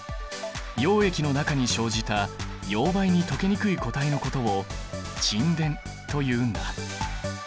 溶液の中に生じた溶媒に溶けにくい固体のことを沈殿というんだ。